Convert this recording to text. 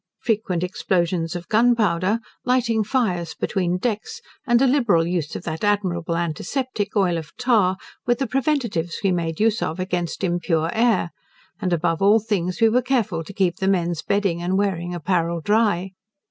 Frequent explosions of gunpowder, lighting fires between decks, and a liberal use of that admirable antiseptic, oil of tar, were the preventives we made use of against impure air; and above all things we were careful to keep the men's bedding and wearing apparel dry.